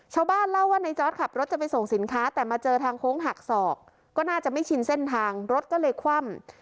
ชาวบ้านเล่าว่าในจอร์ดขับรถจะไปส่งสินค้าแต่มาเจอทางโค้งหักศอกก็น่าจะไม่ชินเส้นทางรถก็เลยคว่ำ